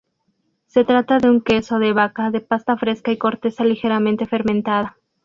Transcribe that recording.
Se trata de un queso de vaca de pasta fresca y corteza ligeramente fermentada.